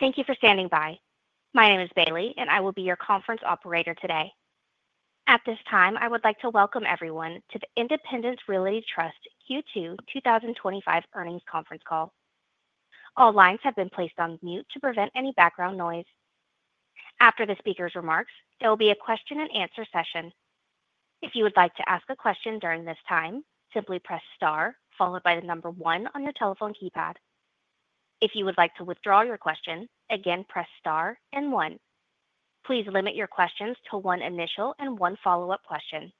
Thank you for standing by. My name is Bailey and I will be your conference operator today. At this time I would like to welcome everyone to the Independence Realty Trust Q2 2025 Earnings Conference Call. All lines have been placed on mute to prevent any background noise. After the speakers' remarks, there will be a question-and-answer session. If you would like to ask a question during this time, simply press star followed by the number one on your telephone keypad. If you would like to withdraw your question, again press star and one. Please limit your questions to one initial and one follow-up question.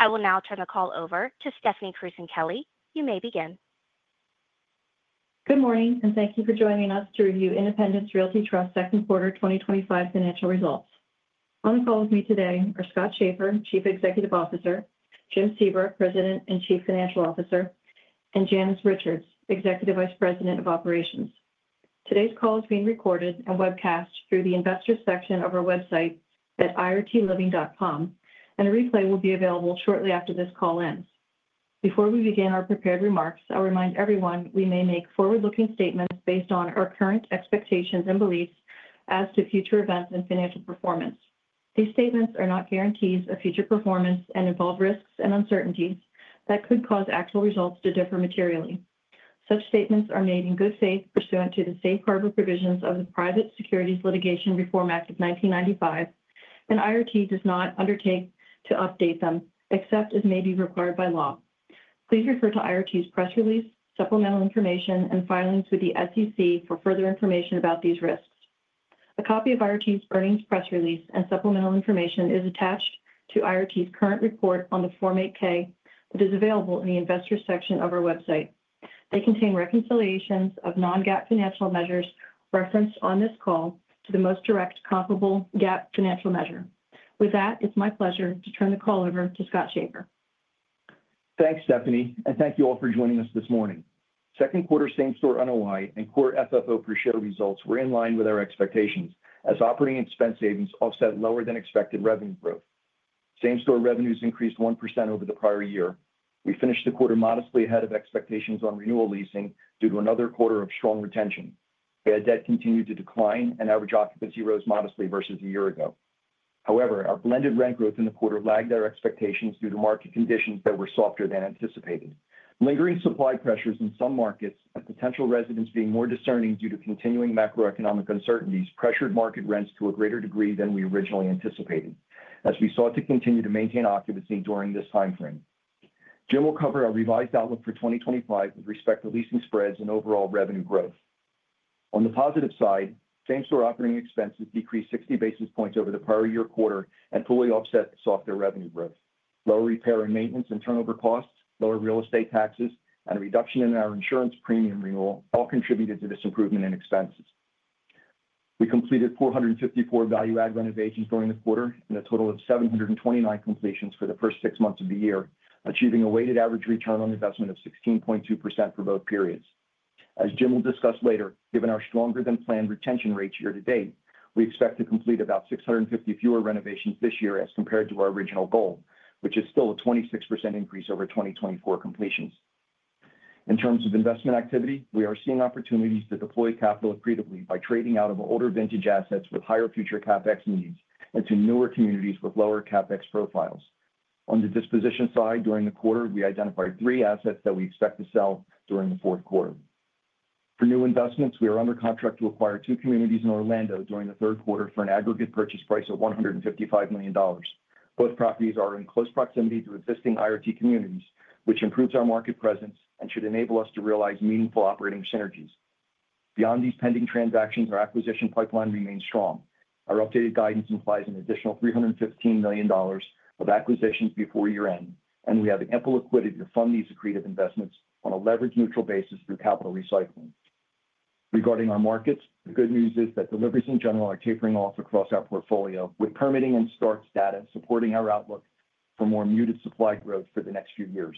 I will now turn the call over to Stephanie Krewson-Kelly. You may begin. Good morning and thank you for joining us to review Independence Realty Trust Second Quarter 2025 Financial Results. On the call with me today are Scott Schaeffer, Chief Executive Officer, Jim Sebra, President and Chief Financial Officer, and Janice Richards, Executive Vice President of Operations. Today's call is being recorded and webcast through the Investors section of our website at irtliving.com, and a replay will be available shortly after this call ends. Before we begin our prepared remarks, I'll remind everyone we may make forward-looking statements based on our current expectations and beliefs as to future events and financial performance. These statements are not guarantees of future performance and involve risks and uncertainties that could cause actual results to differ materially. Such statements are made in good faith pursuant to the safe harbor provisions of the Private Securities Litigation Reform Act of 1995, and IRT does not undertake to update them except as may be required by law. Please refer to IRT's press release, supplemental information, and filings with the SEC for further information about these risks. A copy of IRT's earnings press release and supplemental information is attached to IRT's current report on Form 8-K that is available in the Investors section of our website. They contain reconciliations of non-GAAP financial measures referenced on this call to the most direct comparable GAAP financial measure. With that, it's my pleasure to turn the call over to Scott Schaeffer. Thanks, Stephanie, and thank you all for joining us this morning. Second quarter same-store NOI and core FFO per share results were in line with our expectations as operating expense savings offset lower than expected revenue growth. Same-store revenues increased 1% over the prior year. We finished the quarter modestly ahead of expectations on renewal leasing due to another quarter of strong retention. Bad debt continued to decline, and average occupancy rose modestly versus a year ago. However, our blended rent growth in the quarter lagged our expectations due to market conditions that were softer than anticipated. Lingering supply pressures in some markets and potential residents being more discerning due to continuing macroeconomic uncertainties pressured market rents to a greater degree than we originally anticipated as we sought to continue to maintain occupancy during this time frame. Jim will cover our revised outlook for 2025 with respect to leasing spreads and overall revenue growth. On the positive side, same-store operating expenses decreased 60 basis points over the prior year quarter and fully offset softer revenue growth. Lower repair and maintenance and turnover costs, lower real estate taxes, and a reduction in our insurance premium renewal all contributed to this improvement in expenses. We completed 454 value-add renovations during the quarter and a total of 729 completions for the first six months of the year, achieving a weighted average return on investment of 16.2% for both periods. As Jim will discuss later, given our stronger than planned retention rates year to date, we expect to complete about 650 fewer renovations this year as compared to our original goal, which is still a 26% increase over 2024 completions. In terms of investment activity, we are seeing opportunities to deploy capital accretively by trading out of older vintage assets with higher future CapEx needs and to newer communities with lower CapEx profiles. On the disposition side, during the quarter, we identified three assets that we expect to sell during the fourth quarter for new investments. We are under contract to acquire two communities in Orlando during the third quarter for an aggregate purchase price of $155 million. Both properties are in close proximity to existing IRT communities, which improves our market presence and should enable us to realize meaningful operating synergies beyond these pending transactions. Our acquisition pipeline remains strong. Our updated guidance implies an additional $315 million of acquisitions before year end, and we have ample liquidity to fund these accretive investments on a leverage-neutral basis through capital recycling. Regarding our markets, the good news is that deliveries in general are tapering off across our portfolio, with permitting and Storch data supporting our outlook for more muted supply growth for the next few years.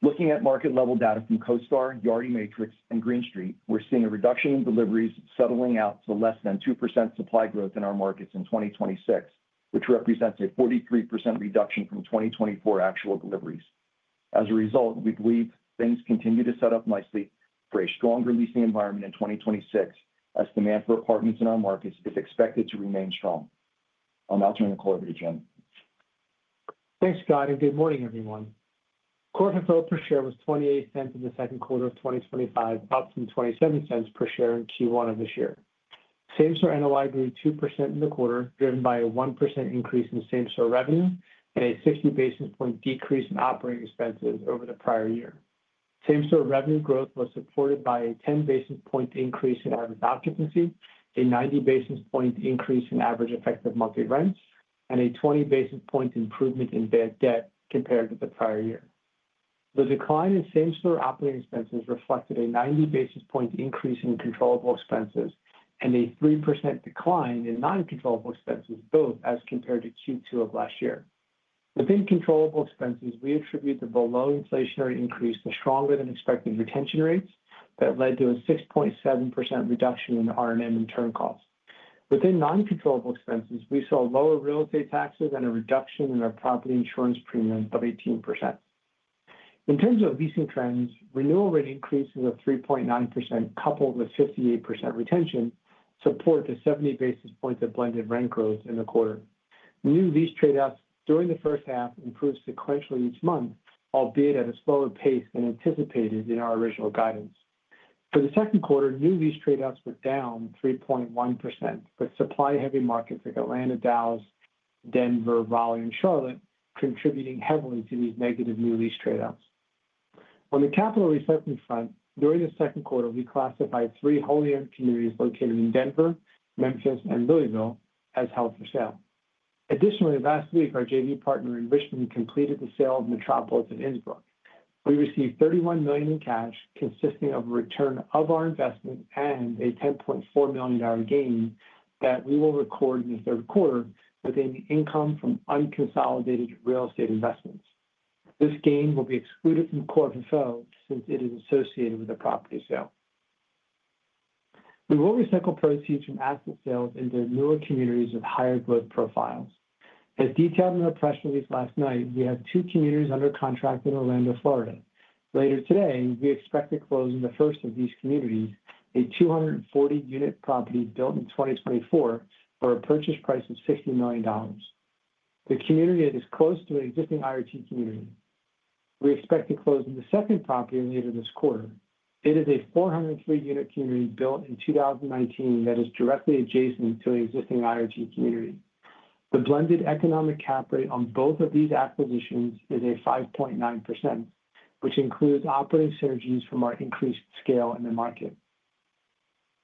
Looking at market-level data from CoStar, Yardi Matrix, and Green Street, we're seeing a reduction in deliveries settling out to less than 2% supply growth in our markets in 2026, which represents a 43% reduction from 2024 actual deliveries. As a result, we believe things continue to set up nicely for a stronger leasing environment in 2026 as demand for apartments in our markets is expected to remain strong. I'll now turn the call over to Jim. Thanks Scott and good morning everyone. Core funds from operations (FFO) per share was $0.28 in the second quarter of 2025, up from $0.27 per share in Q1 of this year. Same-store NOI grew 2% in the quarter, driven by a 1% increase in same-store revenues and a 60 basis point decrease in operating expenses over the prior year. Same-store revenue growth was supported by a 10 basis point increase in average occupancy, a 90 basis point increase in average effective monthly rents, and a 20 basis point improvement in bad debt compared to the prior year. The decline in same-store operating expenses reflected a 90 basis point increase in controllable expenses and a 3% decline in non-controllable expenses, both as compared to Q2 of last year. Within controllable expenses, we attribute the below-inflationary increase to stronger than expected retention rates that led to a 6.7% reduction in R&M and turn costs. Within non-controllable expenses, we saw lower real estate taxes and a reduction in our property insurance premium of 18%. In terms of leasing trends, renewal rate increases of 3.9% coupled with 58% retention supported 70 basis points of blended rent growth in the quarter. New lease tradeouts during the first half improved sequentially each month, albeit at a slower pace than anticipated. In our original guidance for the second quarter, new lease tradeouts were down 3.1%, with supply-heavy markets like Atlanta, Dallas, Denver, Raleigh, and Charlotte contributing heavily to these negative new lease tradeouts. On the asset recycling front during the second quarter, we classified three wholly owned communities located in Denver, Memphis, and Louisville as held for sale. Additionally, last week our joint venture partner Enrichment completed the sale of Metropolis and Innsbruck. We received $31 million in cash consisting of a return of our investment and a $10.4 million gain that we will record in the third quarter within income from unconsolidated real estate investments. This gain will be excluded from core FFO since it is associated with a property sale. We will recycle proceeds from asset sales into newer communities with higher growth profiles as detailed in our press release last night. We have two communities under contract in Orlando, Florida. Later today we expect to close on the first of these communities, a 240-unit property built in 2024 for a purchase price of $60 million. The community is close to an existing IRT community. We expect to close on the second property later this quarter. It is a 403-unit community built in 2019 that is directly adjacent to an existing IRT community. The blended economic cap rate on both of these acquisitions is 5.9%, which includes operating synergies from our increased scale in the market.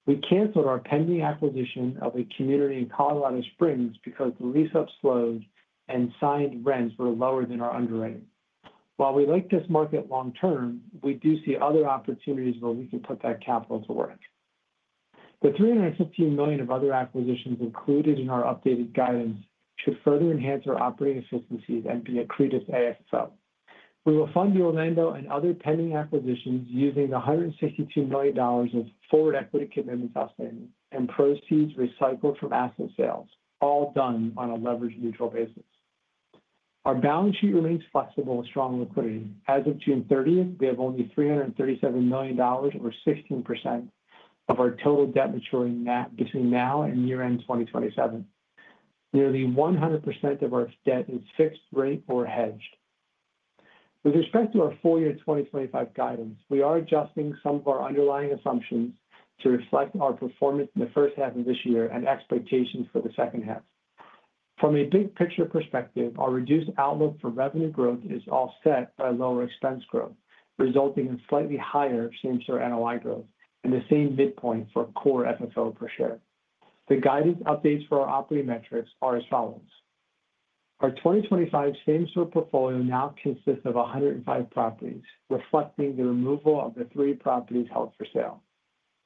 We canceled our pending acquisition of a community in Colorado Springs because the lease-up slowed and signed rents were lower than our underwriting. While we like this market long term, we do see other opportunities where we can put that capital to work. The $315 million of other acquisitions included in our updated guidance should further enhance our operating efficiencies and be accretive to AFO. We will fund the Orlando and other pending acquisitions using the $162 million of forward equity commitments and proceeds recycled from asset sales, all done on a leverage-neutral basis. Our balance sheet remains flexible with strong liquidity. As of June 30th, we have only $337 million or 16% of our total debt maturing between now and year-end 2027. Nearly 100% of our debt is fixed rate or hedged. With respect to our full-year 2025 guidance, we are adjusting some of our underlying assumptions to reflect our performance in the first half of this year and expectations for the second half. From a big picture perspective, our reduced outlook for revenue growth is offset by lower expense growth, resulting in slightly higher same-store NOI growth and the same midpoint for core FFO per share. The guidance updates for our operating metrics are as follows. Our 2025 same-store portfolio now consists of 105 properties, reflecting the removal of the three properties held for sale.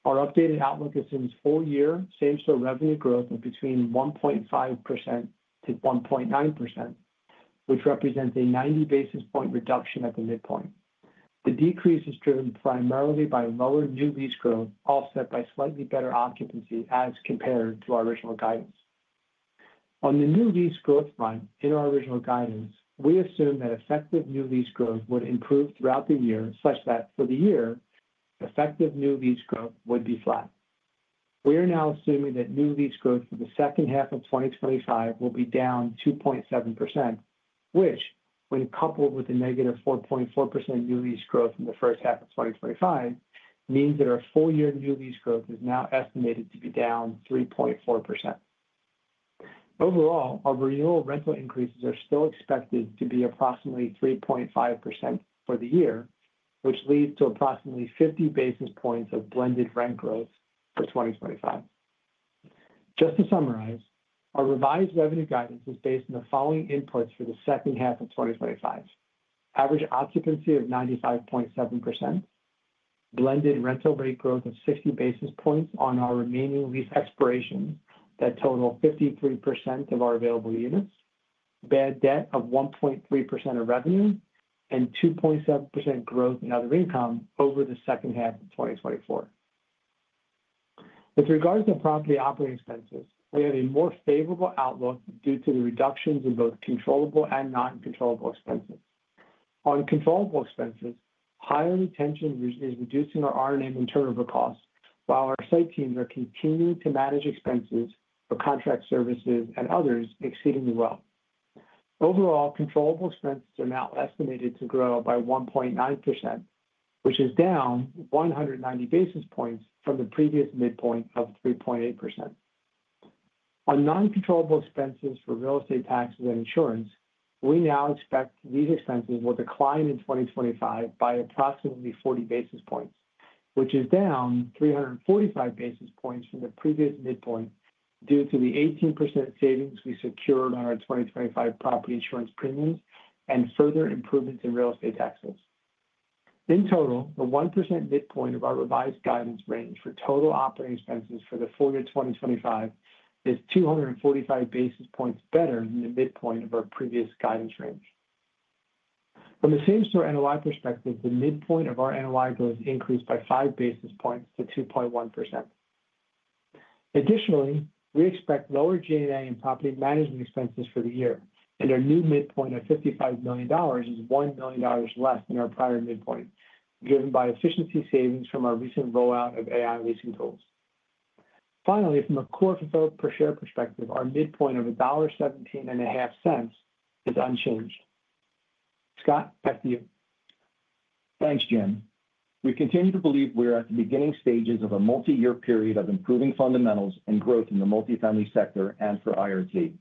Our updated outlook assumes full-year same-store revenue growth of between 1.5% to 1.9%, which represents a 90 basis point reduction at the midpoint. The decrease is driven primarily by lower new lease growth offset by slightly better occupancy as compared to our original guidance. On the new lease growth front, in our original guidance, we assumed that effective new lease growth would improve throughout the year such that for the year effective new lease growth would be flat. We are now assuming that new lease growth for the second half of 2025 will be down 2.7%, which, when coupled with the -4.4% new lease growth in the first half of 2025, means that our full-year new lease growth is now estimated to be down 3.4%. Overall, our renewal rental increases are still expected to be approximately 3.5% for the year, which leads to approximately 50 basis points of blended rent growth for 2025. Just to summarize, our revised revenue guidance is based on the following inputs for the second half of 2025: average occupancy of 95.7%, blended rental rate growth of 60 basis points on our remaining lease expirations that total 53% of our available units, bad debt of 1.3% of revenue, and 2.7% growth in other income over the second half of 2024. With regards to property operating expenses, we have a more favorable outlook due to the reductions in both controllable and non-controllable expenses. On controllable expenses, higher retention is reducing our R&M and turnover costs, while our site teams are continuing to manage expenses for contract services and others exceedingly well. Overall, controllable expenses are now estimated to grow by 1.9%, which is down 190 basis points from the previous midpoint of 3.8%. On non-controllable expenses for real estate taxes and insurance, we now expect these expenses will decline in 2025 by approximately 40 basis points, which is down 345 basis points from the previous midpoint due to the 18% savings we secured on our 2025 property insurance premiums and further improvements in real estate taxes. In total, the 1% midpoint of our revised guidance range for total operating expenses for the full year 2025 is 245 basis points better than the midpoint of our previous guidance range. From the same-store NOI perspective, the midpoint of our NOI growth increased by 5 basis points to 2.1%. Additionally, we expect lower G&A and property management expenses for the year, and our new midpoint of $55 million is $1 million less than our prior midpoint driven by efficiency savings from our recent rollout of AI leasing tools. Finally, from a core FFO per share perspective, our midpoint of $1.175 is unchanged. Scott, back to you. Thanks, Jim. We continue to believe we're at the beginning stages of a multi-year period of improving fundamentals and growth in the multifamily sector and for IRT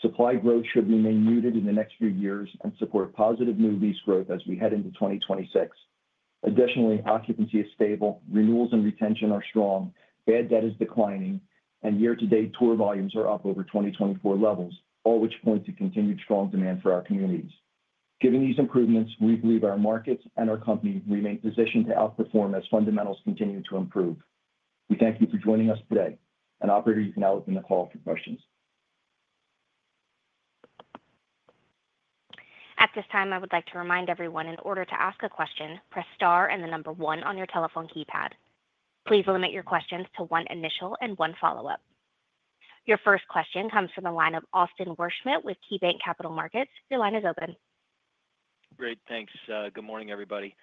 supply. Growth should remain muted in the next few years and support positive new lease growth as we head into 2026. Additionally, occupancy is stable, renewals and retention are strong, bad debt is declining, and year-to-date tour volumes are up over 2024 levels, all of which point to continued strong demand for our communities. Given these improvements, we believe our markets and our company remain positioned to outperform as fundamentals continue to improve. We thank you for joining us today, and Operator, you can now open the call for questions. At this time I would like to remind everyone in order to ask a question, press star and the number one on your telephone keypad. Please limit your questions to one initial and one follow-up. Your first question comes from the line of Austin Wurschmidt with KeyBanc Capital Markets. Your line is open. Great, thanks. Good morning, everybody.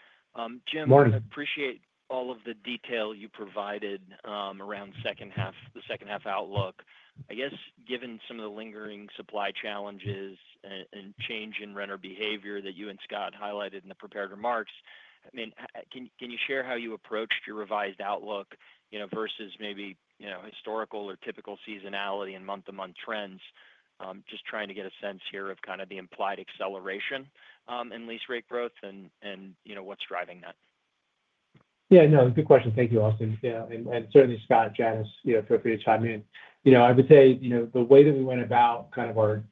Jim, appreciate all of the detail you provided around the second half outlook. I guess given some of the lingering supply challenges and change in renter behavior that you and Scott highlighted in the prepared remarks, can you share how you approached your revised outlook versus maybe historical or typical seasonality and month-to-month trends? Just trying to get a sense here of the implied acceleration in lease rate growth and what's driving that. Yeah, no, good question. Thank you, Austin. Yeah. Certainly, Scott. Janice, feel free to chime in. I would say the way that we went about our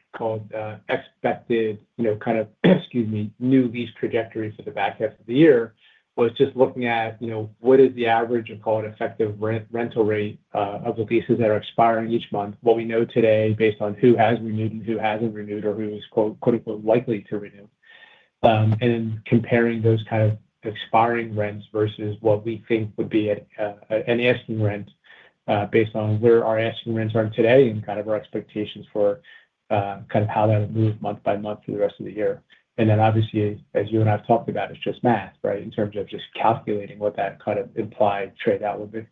expected kind of excuse me, new lease trajectory for the back half of the year was just looking at, you know, what is the average and call it effective rent rental rate of the leases that are expiring each month, what we know today based on who has renewed and who hasn't renewed or who is, quote, unquote, "likely to renew," and comparing those kind of expiring rents versus what we think would be an asking rent based on where our asking rents are today and kind of our expectations for kind of how that will move month by month through the rest of the year? Obviously, as you and I have talked about, it's just math, right, in terms of just calculating what that kind of implied trade out would be.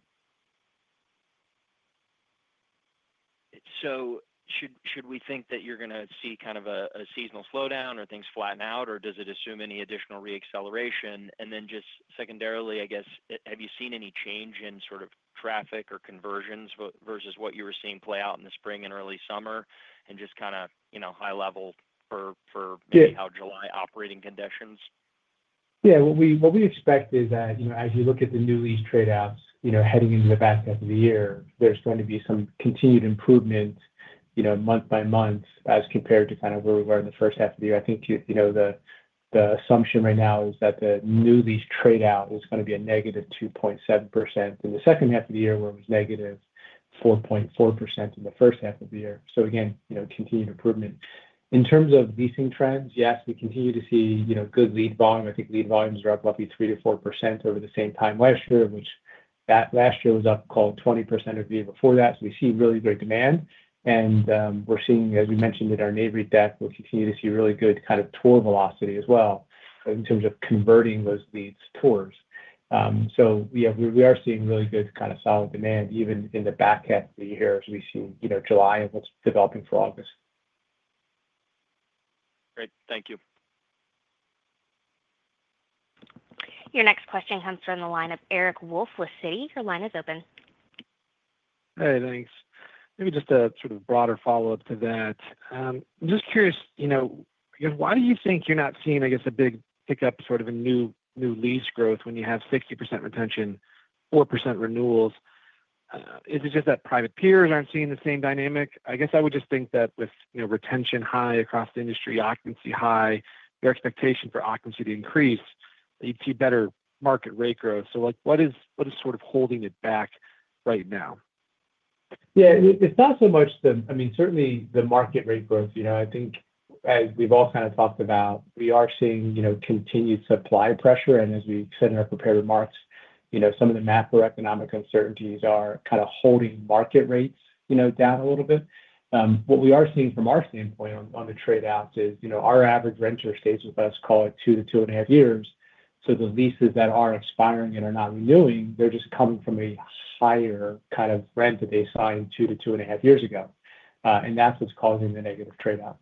Should we think that you're going to see kind of a seasonal slowdown or things flatten out, or does it assume any additional reacceleration? Then just secondarily, I guess, have you seen any change in sort of traffic or conversions versus what you were seeing play out in the spring and early summer, and just kind of, you know, high level for how July operating conditions. Yeah, what we expect is that, you know, as you look at the new lease tradeouts, you know, heading into the back half of the year, there's going. to be some continued improvement, you know, month by month as compared to kind of where we were in the first half of the year. I think the assumption right now is that the new lease tradeout is going to be a -2.7% in the second half of the year, where it was -4.4% in the first half of the year. Again, continued improvement. In terms of leasing trends yes, we continue to see good lead volume. I think lead volumes are up roughly 3% to 4% over the same time last year, which last year was up, call it, 20% over the year before that. We see really great demand. We're seeing, as we mentioned in our NAREIT deck we'll continue to see really good kind of tour velocity as well in terms of converting those leads to tours. We are seeing really good kind of solid demand even in the back half of the year as we see July and what's developing for August. Great, thank you. Your next question comes from the line of Eric Wolfe with Citi. Your line is open. Hey, thanks. Maybe just a sort of broader follow-up to that. I'm just curious, you know, why do you think you're not seeing, I guess, a big pickup, sort of a new lease growth when you have 60% retention, 4% renewals? Is it just that private peers aren't seeing the same dynamic? I would just think that with retention high across the industry, occupancy high, your expectation for occupancy to increase, you'd see better market rate growth. What is sort of holding it back right now? Yeah, it's not so much them. I mean, certainly the market rate growth, I think as we've all kind of talked about, we are seeing you know, continued supply pressure and as we said in our prepared remarks, you know, some of the macroeconomic uncertainties are kind of holding market rates, you know. qown a little bit. What we are seeing from our standpoint on the trade out is, you know, our average renter stays with us, call it two to two and a half years. The leases that are expiring and are not renewing, they're just coming from a higher kind of rent that they signed two to two and a half years ago. That's what's causing the negative trade off.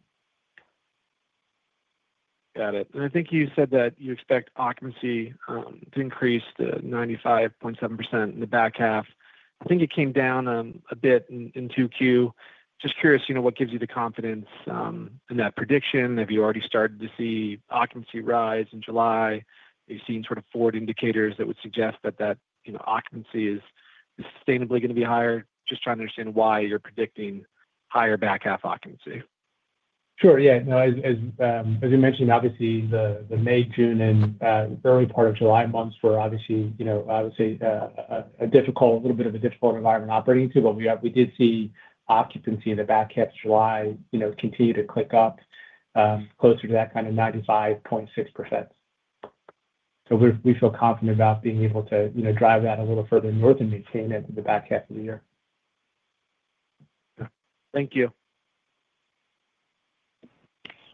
Got it. I think you said that you expect occupancy to increase to 95.7% in the back half. I think it came down a bit in 2Q. Just curious, you know, what gives you the confidence in that prediction? Have you already started to see occupancy rise in July? Are you seeing sort of forward indicators that would suggest that occupancy is sustainably going to be higher? Just trying to understand why you're predicting higher back half occupancy. Sure, yeah. As you mentioned, the May, June, and early part of July months were obviously a little bit of a difficult environment operating into. We did see occupancy in the back half of July continue to click up closer to that kind of 95.6%. We feel confident about being able to drive that a little further north to maintain this into the back half of the year. Thank you.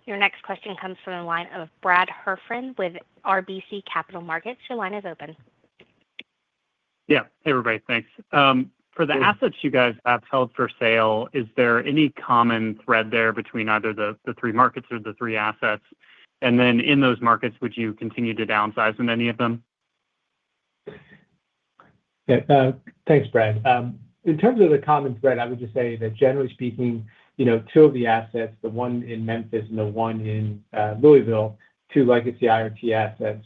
Your next question comes from the line of Brad Heffern with RBC Capital Markets. Your line is open. Yeah. Everybody, thanks. For the assets you guys have held for sale, is there any common thread there between either the three markets or the three assets? In those markets, would you continue to downsize in any of them? Thanks, Brad. In terms of the common thread, I would just say that generally speaking, you know two of the assets, the one in Memphis and the one in Louisville, are two legacy IRT assets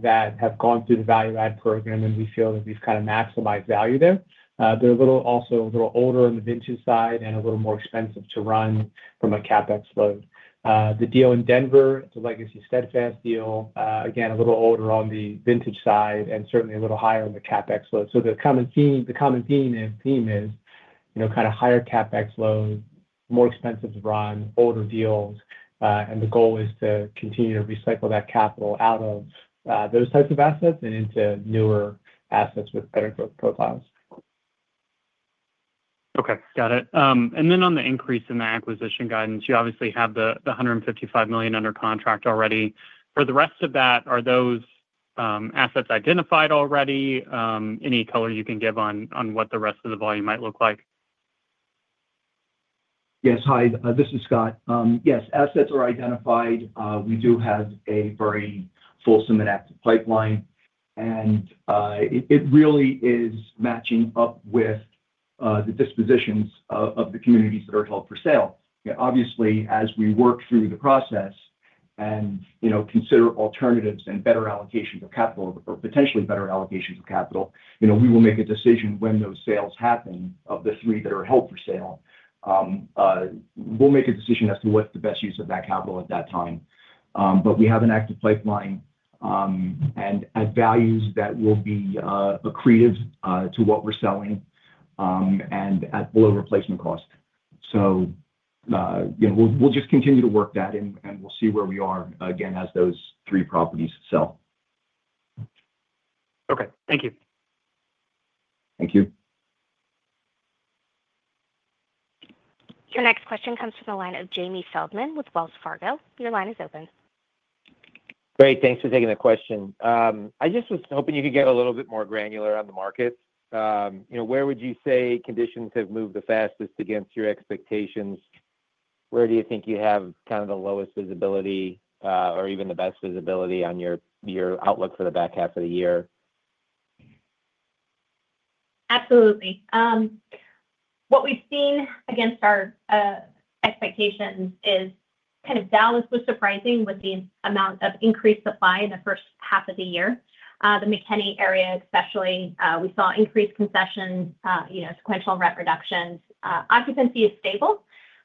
that have gone through the value-add program and we feel that we've kind of maximized value there. They're also a little older on the vintage side and a little more expensive to run from a CapEx load. The deal in Denver is a legacy Steadfast deal, again a little older on the vintage side and certainly a little higher on the CapEx load. The common theme, The common theme is kind of higher CapEx load, more expensive to run older deals. The goal is to continue to recycle that capital out of those types of assets and into newer assets with better growth profiles. Okay, got it. On the increase in the acquisition guidance, you obviously have the $155 million under contract already. For the rest of that, are those assets identified already? Any color you can give on what the rest of the volume might look like? Yes. Hi, this is Scott. Yes, assets are identified. We do have a very fulsome and active pipeline, and it really is matching up with the dispositions of the communities that are held for sale. Obviously, as we work through the process and consider alternatives and better allocations of capital or potentially better allocations of capital, we will make a decision when those sales happen. Of the three that are held for sale, we'll make a decision as to what's the best use of that capital at that time. We have an active pipeline and at values that will be accretive to what we're selling and at below replacement cost. We will just continue to work that, and we'll see where we are again as those three properties sell. Okay, thank you. Thank you. Your next question comes from the line of Jamie Feldman with Wells Fargo. Your line is open. Great. Thanks for taking the question. I just was hoping you could get a little bit more granular on the market. Where would you say conditions have moved the fastest against your expectations? Where do you think you have kind of the lowest visibility or even the best visibility on your outlook for the back half of the year? Absolutely. What we've seen against our expectations is Dallas was surprising with the amount of increased supply in the first half of the year. The McKinney area especially, we saw increased concessions, sequential rent reductions. Occupancy is stable,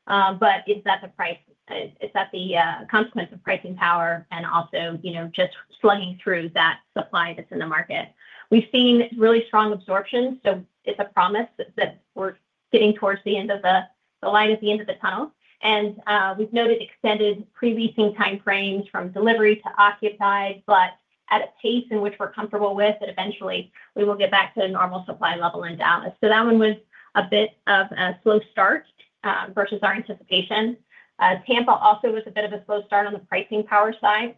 but is that the price? Is that the consequence of pricing power? Also, just slugging through that supply that's in the market, we've seen really strong absorption. It's a promise that we're getting towards the end of the line at the end of the tunnel. We've noted extended pre-leasing timeframes from delivery to occupy, but at a pace in which we're comfortable with that, eventually we will get back to a normal supply level in Dallas. That one was a bit of a slow start versus our anticipation. Tampa also was a bit of a slow start on the pricing power side.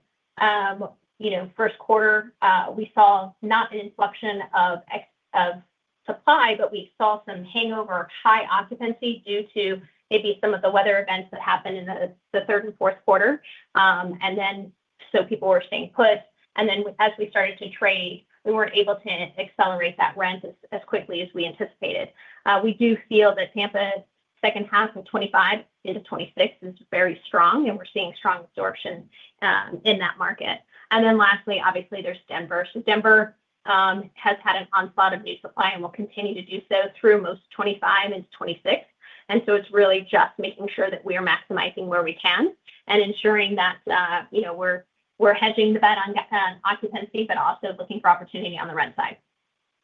First quarter we saw not an inflection of supply, but we saw some hangover high occupancy due to maybe some of the weather events that happened in the third and fourth quarter. People were staying put. As we started to trade, we weren't able to accelerate that rent as quickly as we anticipated. We do feel that Tampa, second half of 2025 and 2026, is very strong and we're seeing strong absorption in that market. Lastly, obviously there's Denver. Denver has had an onslaught of new supply and will continue to do so through most of 2025 and 2026. It's really just making sure that we are maximizing where we can and ensuring that we're hedging the bet on occupancy but also looking for opportunity on the rent side.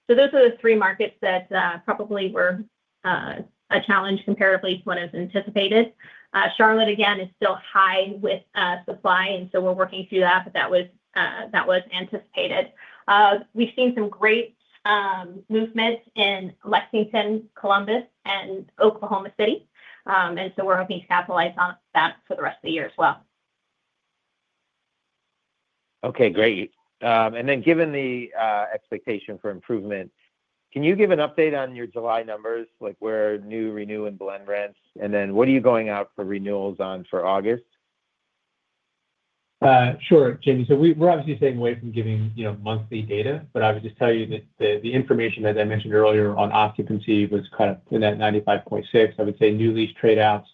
Those are the three markets that probably were a challenge comparatively to what is anticipated. Charlotte again is still high with supply, and we're working through that. That was anticipated. We've seen some great movements in Lexington, Columbus, and Oklahoma City, and we're hoping to capitalize on that for the rest of the year as well. Okay, great. Given the expectation for improvement, can you give an update on your July numbers, like where new, renew, and blended rents and then what are you going out for renewals for August? Sure, Jamie. We're obviously staying away from giving, you know, monthly data. I would just tell you that the information, as I mentioned earlier on occupancy, was kind of in that 95.6%. I would say new lease tradeouts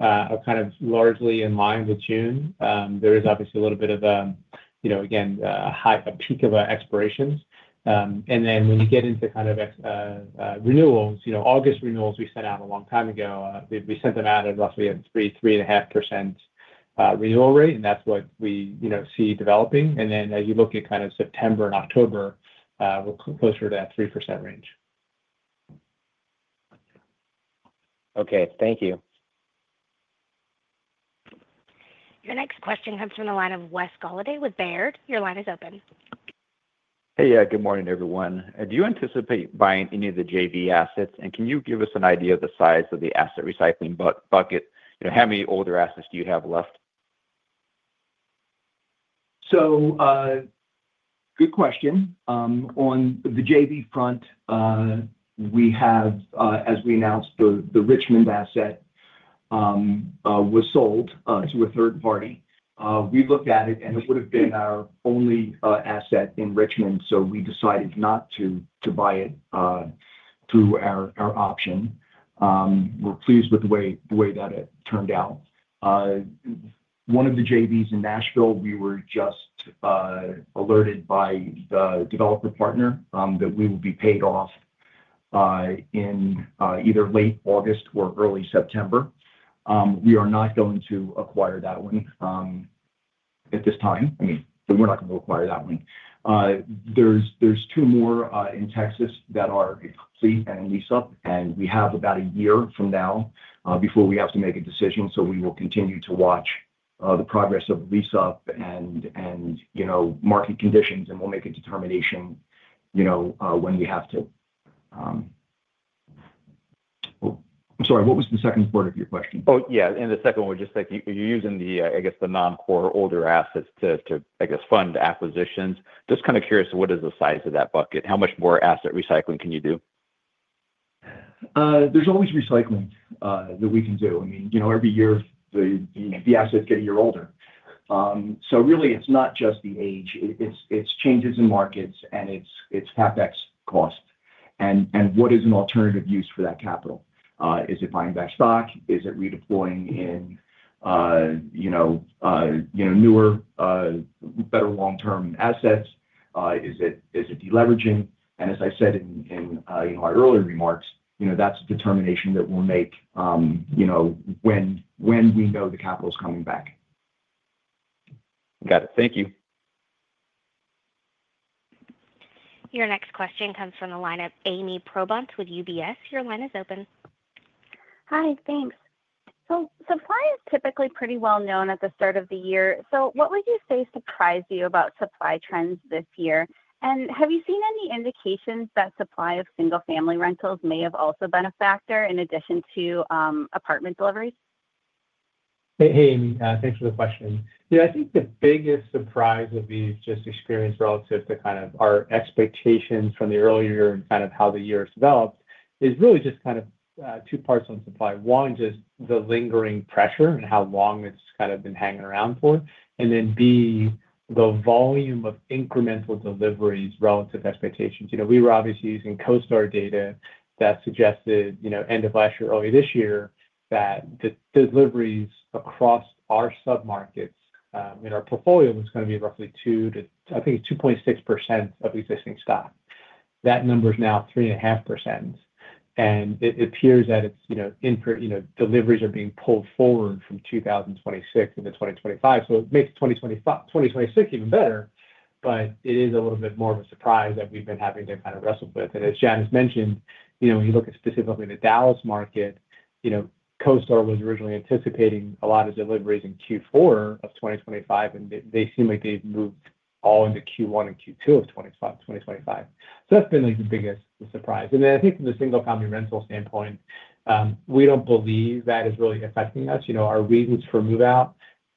are kind of largely in line with June. There is obviously a little bit of, you know, again, a peak of expirations. When you get into kind of renewals, August renewals we sent out a long time ago, we sent them out at roughly 3%-3.5% renewal rate. That's what we see developing. As you look at kind of September and October, we're closer to that 3% range. Okay, thank you. Your next question comes from the line of Wes Golladay with Baird. Your line is open. Hey, good morning everyone. Do you anticipate buying any of the JV assets? Can you give us an idea of the size of the asset recycling bucket? You know, how many older assets do you have left? Good question. On the JV front, we have, as we announced, the Richmond asset was sold to a third party. We looked at it and it would have been our only asset in Richmond. We decided not to buy it through our option. We're pleased with the way that it turned out. One of the JVs in Nashville, we were just alerted by the developer partner that we will be paid off in either late August or early September. We are not going to acquire that one at this time. I mean, we are not going to acquire that one. There are two more in Texas that are complete and lease up. We have about a year from now before we have to make a decision. We will continue to watch the progress of lease up and market conditions and we'll make a determination when we have to. I'm sorry, what was the second part of your question? Oh yeah, and the second one, just like you're using the, I guess, the Non-core older assets to, I guess, fund acquisitions. Just kind of curious, what is the size of that bucket? How much more asset recycling can you do? There's always recycling that we can do. I mean, every year the assets get a year older. Really, it's not just the age, it's changes in markets and it's CapEx cost. What is an alternative use for that capital? Is it buying back stock? Is it redeploying in newer, better long-term assets? Is it deleveraging? As I said in my earlier remarks, that's a determination that we'll make when we know the capital is coming back. Got it. Thank you. Your next question comes from the line of Ami Probandt with UBS. Your line is open. ' Hi. Thanks. Supply is typically pretty well known at the start of the year. What would you say surprised you about supply trends this year? Have you seen any indications that supply of single family rentals may have also been a factor in addition to apartment deliveries? Hey, thanks for the question. Yeah, I think the biggest surprise that we've just experienced relative to kind of our expectations from earlier and kind of how the year developed is really just kind of two parts on supply. One, just the lingering pressure and how long it's kind of been hanging around for, and then B, the volume of incremental deliveries, relative to expectations. You know, we were obviously using CoStar data that suggested, you know, end of last year, early this year, that the deliveries across our submarkets in our portfolio was going to be roughly 2% to, I think, 2.6% of existing stock. That number is now 3.5%. It appears that deliveries are being pulled forward from 2026 into 2025. It makes 2026 even better. It is a little bit more of a surprise that we've been having to kind of wrestle with. As Jan has mentioned, when you look at specifically the Dallas market, CoStar was originally anticipating a lot of deliveries in Q4 2025, and they seem like they've moved all into Q1 and Q2 of 2025. That's been the biggest surprise. I think from the single family rental standpoint, we don't believe that is really affecting us. Our reasons for move out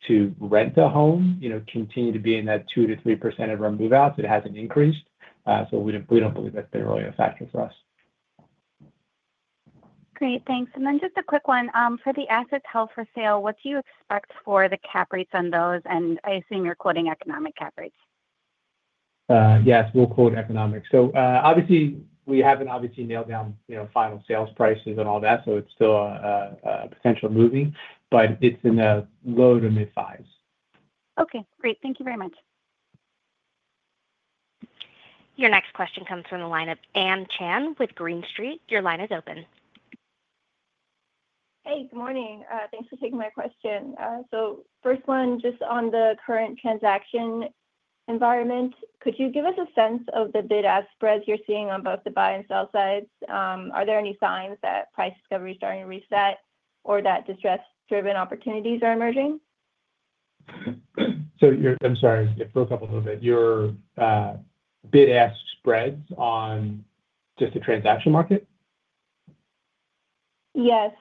to rent a home continue to be in that 2%-3% of our move outs. It hasn't increased. We don't believe that's been really a factor for us. Great, thanks. Just a quick one. The assets held for sale, what do you expect for the cap rates on those? I assume you're quoting economic cap rates. Yes, we'll quote economics. Obviously, we haven't nailed down final sales prices and all that. It's still a potential move, but it's in the low to mid $5 millions. Okay, great. Thank you very much. Your next question comes from the line of Ann Chan with Green Street. Your line is open. Hey, good morning. Thanks for taking my question. First, on the current transaction environment, could you give us a sense of the bid-ask spreads you're seeing on both the buy and sell sides? Are there any signs that price discovery is starting to reset or that distress-driven opportunities are emerging? I'm sorry, it broke up a little bit. Your bid ask spreads on just the transaction market. Yes.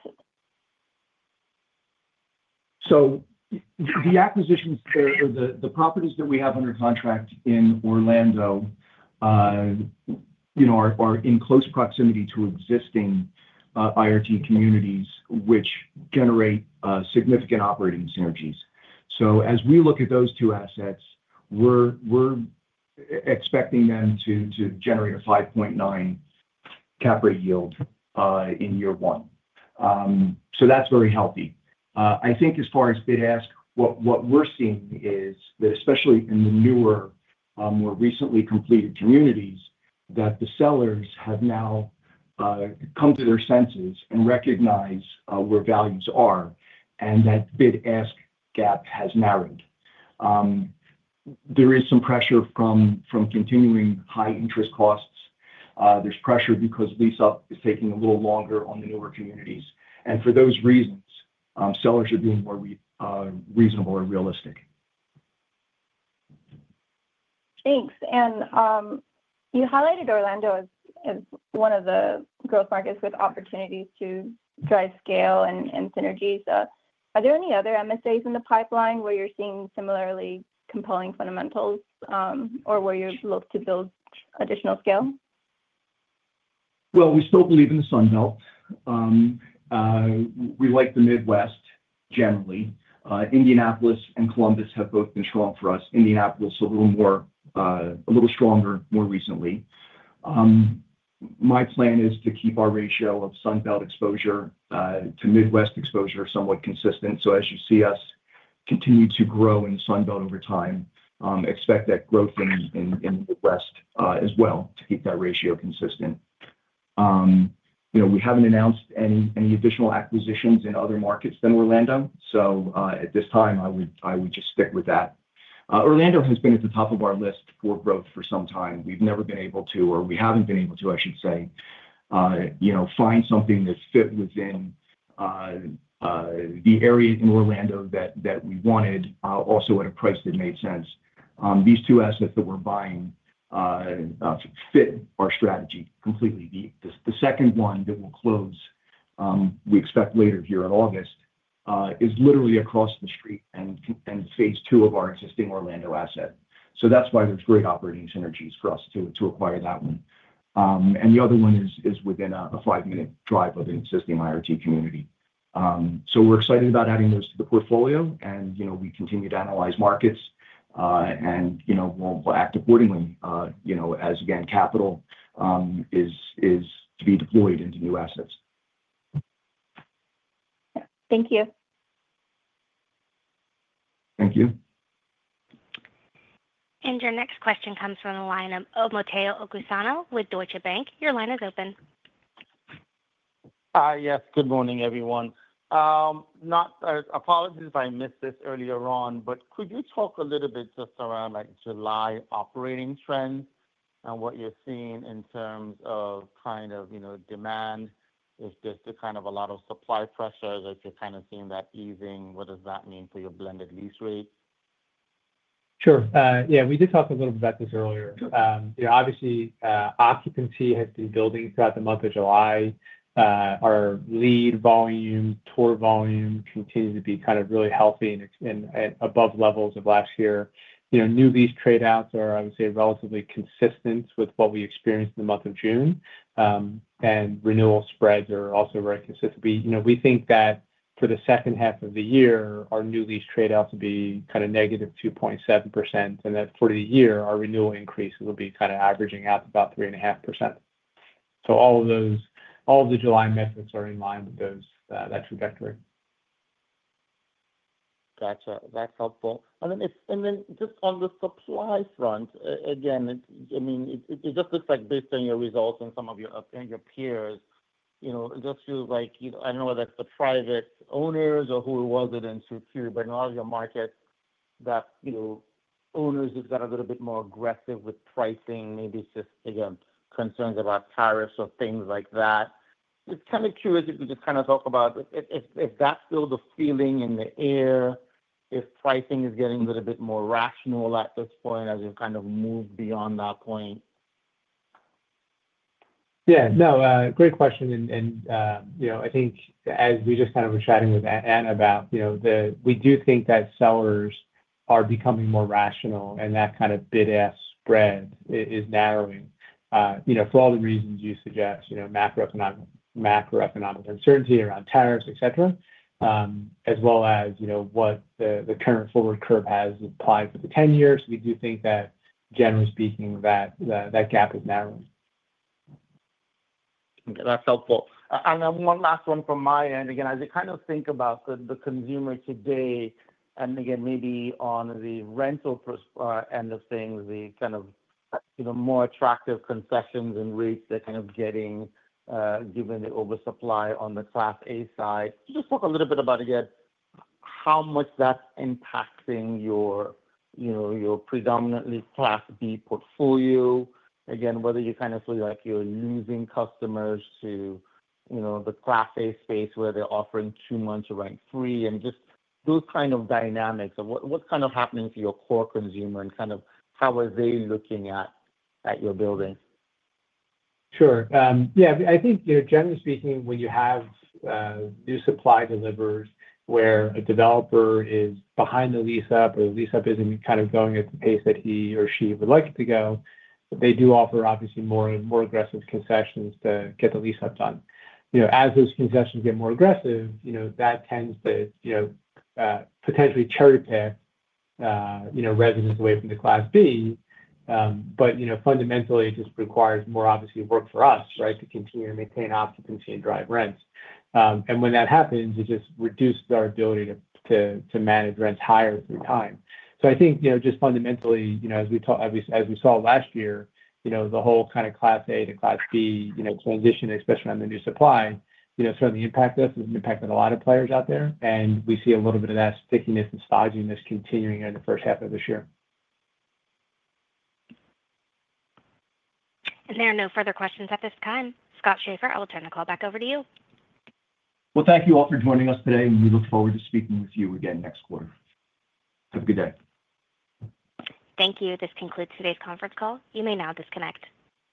The acquisitions, the properties that we have under contract in Orlando, you know, are in close proximity to existing IRT communities, which generate significant operating synergies. As we look at those two assets, we're expecting them to generate a 5.9% cap rate yield in year one. That's very healthy. I think as far as bid ask, what we're seeing is that especially in the newer, more recently completed communities, the sellers have now come to their senses and recognize where values are, and that bid ask gap has narrowed. There is some pressure from continuing high interest costs. There's pressure because lease up is taking a little longer on the newer communities, and for those reasons sellers are being more reasonable or realistic. Thanks. You highlighted Orlando as one of the growth markets with opportunities to drive scale and synergies. Are there any other MSAs in the pipeline where you're seeing similarly compelling fundamentals or where you look to build additional scale? We still believe in the Sun Belt. We like the Midwest generally. Indianapolis and Columbus have both been strong for us. Indianapolis a little more, a little stronger more recently. My plan is to keep our ratio of Sun Belt exposure to Midwest exposure somewhat consistent. As you see us continue to grow in the Sun Belt over time, expect that growth in the Midwest as well to keep that ratio consistent. We haven't announced any additional acquisitions in other markets than Orlando. At this time I would just stick with that. Orlando has been at the top of our list for growth for some time. We've never been able to, or we haven't been able to, I should say, find something that fit within the area in Orlando that we wanted also at a price that made sense. These two assets that we're buying fit our strategy completely. The second one that will close, we expect later here in August, is literally across the street and phase two of our existing Orlando asset. That's why there's great operating synergies for us to acquire that one, and the other one is within a five minute drive of an existing IRT community. We're excited about adding those to the portfolio and we continue to analyze markets and we'll act accordingly as capital is to be deployed into new assets. Thank you. Thank you. Your next question comes from the line of Omotayo Okusanya with Deutsche Bank. Your line is open. Yes. Good morning everyone. Apologies if I missed this earlier on, but could you talk a little bit just around July operating trends and what you're seeing in terms of, you know, demand? There is just kind of a lot of supply pressures. If you're seeing that easing, what does that mean for your blended lease rates? Sure, yeah, we did talk a little bit about this earlier. Obviously, occupancy has been building throughout the month of July. Our lead volume, tour volume continues to be really healthy and above levels of last year. New lease tradeouts are, I would say, relatively consistent with what we experienced in the month of June, and renewal spreads are also very consistent. We think that for the second half of the year our new lease tradeout will be kind of negative 2.7%, and that for the year our renewal increase will be averaging out about 3.5%. All of those, all the July metrics are in line with that trajectory. Gotcha. That's helpful. On the supply front again, it just looks like based on your results and some of your peers, it just feels like, I don't know whether it's the private owners or who it was that instituted it, but in all your markets, owners have got a little bit more aggressive with pricing, maybe just again, concerns about tariffs or things like that it's kind of curious if you can just kind of talk about if that's still the feeling in the air, if pricing is getting a little bit more rational at this point as you've kind of moved beyond that point. Yeah, great question. I think as we just kind of were chatting with Ann about, we do think that sellers are becoming more rational and that kind of bid-ask spread is narrowing for all the reasons you suggest, macroeconomic uncertainty around tariffs, et cetera, as well as what the current forward curve has applied for the 10 years. We do think that, generally speaking, that gap is narrowing. Okay, that's helpful. One last one from my end. As you think about the consumer today and maybe on the rental end of things, the more attractive concessions and rates that are getting given the oversupply on the Class A side, just talk a little bit about how much that's impacting your predominantly Class B portfolio. Whether you feel like you're losing customers to the Class A space where they're offering two months or rent free, and just those dynamics of what's happening to your core consumer and how are they looking at your building? Sure, yeah. I think generally speaking, when you have new supply delivers, where a developer is behind the lease up or the lease up isn't kind of going at the pace that he or she would like it to go, they do offer, obviously, more and more aggressive concessions to get the lease up done. As those concessions get more aggressive, that tends to potentially cherry pick, you know, residents away from the Class B. Fundamentally, it just requires more, obviously, work for us to continue to maintain occupancy and drive rents. When that happens, it just reduces our ability to manage rents higher through time. I think, you know, just fundamentally, as we talk, as we saw last year, the whole kind of Class A to Class B. You know, transition, especially on the new supply, some of the impact this has impacted a lot of players out there. We see a little bit of that stickiness and spotiness continuing in the first half of this year. There are no further questions at this time. Scott Schaeffer, I will turn the call back over to you. Thank you all for joining us today and we look forward to speaking with you again next quarter. Have a good day. Thank you. This concludes today's conference call. You may now disconnect.